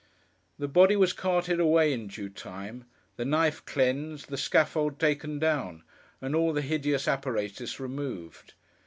The body was carted away in due time, the knife cleansed, the scaffold taken down, and all the hideous apparatus removed.